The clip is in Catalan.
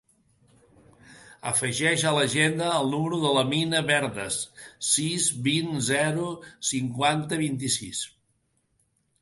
Afegeix a l'agenda el número de l'Amina Verdes: sis, vint, zero, cinquanta, vint-i-sis.